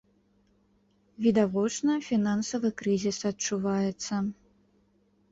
Відавочна, фінансавы крызіс адчуваецца.